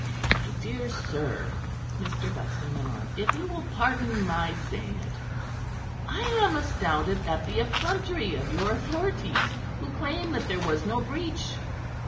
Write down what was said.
My dear sir," Mr. Buxton went on, "if you will pardon my saying it, I am astounded at the effrontery of your authorities who claim that there was no breach.